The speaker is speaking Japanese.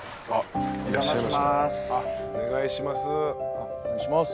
あお願いします。